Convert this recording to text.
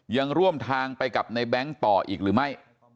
ยังร่วมทางไปกับในแบงค์ต่ออีกหรือไม่